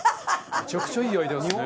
めちゃくちゃいいアイデアですね。